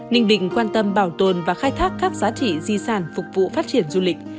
ninh bình quan tâm bảo tồn và khai thác các giá trị di sản phục vụ phát triển du lịch